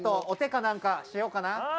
お手かなんかしようかな。